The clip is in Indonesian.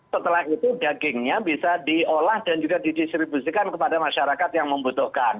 setelah itu dagingnya bisa diolah dan juga didistribusikan kepada masyarakat yang membutuhkan